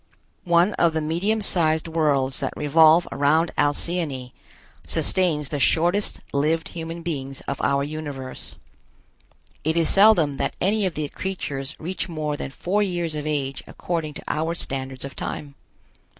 One of the medium sized worlds that revolve around Alcyone sustains the shortest lived human beings of our universe. It is seldom that any of the creatures reach more than four years of age according to our standards of time.